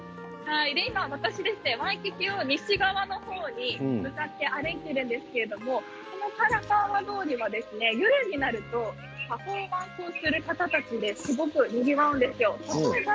今、私はワイキキを西側の方に向かって歩いているんですけれどもこのカラカウア通りは夜になるとパフォーマンスをする方たちですごくにぎわうんですよ。